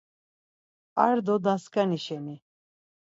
Ar do dasǩani şeni.